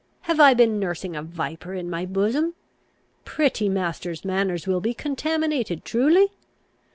Have I been nursing a viper in my bosom? Pretty master's manners will be contaminated truly?